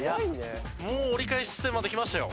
もう折り返し地点まで来ましたよ。